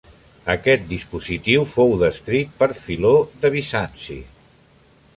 Aquest dispositiu fou descrit per Filó de Bizanci.